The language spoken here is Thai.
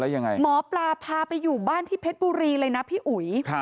ยังไงหมอปลาพาไปอยู่บ้านที่เพชรบุรีเลยนะพี่อุ๋ย